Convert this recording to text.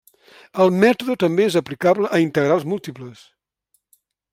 El mètode també és aplicable a integrals múltiples.